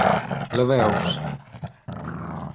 La veus?